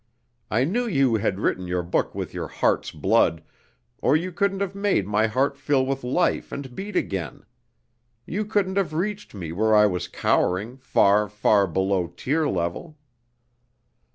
I knew you had written your book with your heart's blood, or you couldn't have made my heart fill with life and beat again. You couldn't have reached me where I was cowering, far, far below tear level.